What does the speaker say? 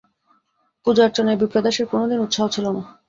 পূজার্চনায় বিপ্রদাসের কোনোদিন উৎসাহ ছিল না।